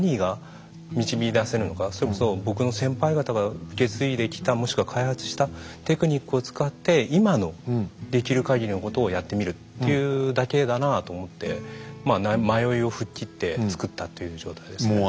それこそ僕の先輩方が受け継いできたもしくは開発したテクニックを使って今のできるかぎりのことをやってみるっていうだけだなと思ってまあ迷いを吹っ切って作ったという状態ですね。